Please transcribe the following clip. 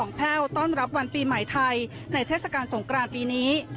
แพ่วต้อนรับวันปีใหม่ไทยในเทศกาลสงกรานปีนี้